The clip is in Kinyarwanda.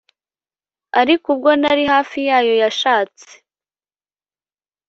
ariko ubwo nari hafi yayo yashatse